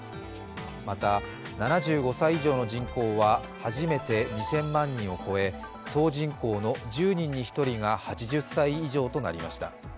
また７５歳以上の人口は初めて２０００万人を超え総人口の１０人に１人が８０歳以上となりました。